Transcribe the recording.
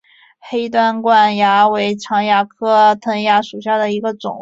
黑端管蚜为常蚜科藤蚜属下的一个种。